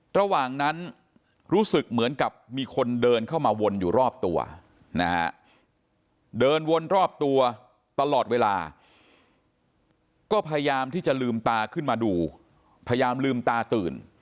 ระหว่างนั้นรู้สึกเหมือนกับมีคนเดินเข้ามาวนอยู่รอบตัวนะฮะเดินวนรอบตัวตลอดเวลาก็พยายามที่จะลืมตาขึ้นมาดูพยายามลืมตาตื่น